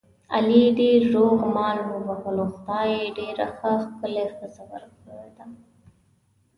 علي ډېر روغ مال ووهلو، خدای ډېره ښه ښکلې ښځه ور کړې ده.